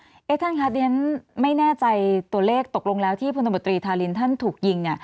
ค่ะท่านครับดิฉันไม่แน่ใจตัวเลขตกลงแล้วที่พศธารินทร์ท่านถูกยิง